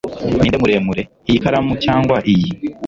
Ninde muremure, iyi karamu cyangwa iyi?